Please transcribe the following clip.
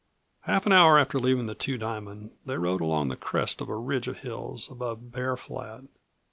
Half an hour after leaving the Two Diamond they rode along the crest of a ridge of hills above Bear Flat.